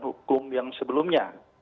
hukum yang sebelumnya